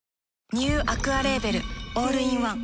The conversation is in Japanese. ニューアクアレーベルオールインワン